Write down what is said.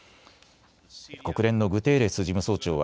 国連のグテーレス事務総長は